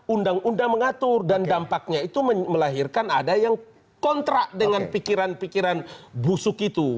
undang undang mengatur dan dampaknya itu melahirkan ada yang kontrak dengan pikiran pikiran busuk itu